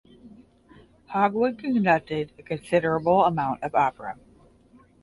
Hogwood conducted a considerable amount of opera.